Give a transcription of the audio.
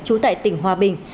chú tại tỉnh hòa bình